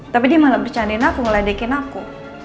tapi dia malah bercandain aku ngeledekin aku